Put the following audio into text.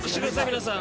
皆さん。